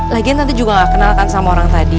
lagian nanti juga gak kenalkan sama orang tadi